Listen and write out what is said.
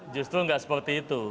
justru nggak seperti itu